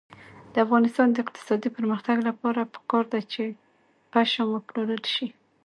د افغانستان د اقتصادي پرمختګ لپاره پکار ده چې پشم وپلورل شي.